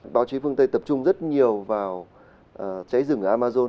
báo chí phương tây tập trung rất nhiều vào cháy rừng ở amazon